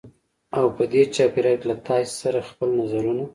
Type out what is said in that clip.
او په دې چاپېریال کې له تاسې سره خپل نظرونه